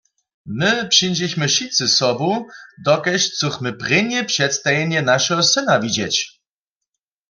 My přińdźechmy wšitcy sobu, dokelž chcychmy prěnje předstajenje našeho syna widźeć.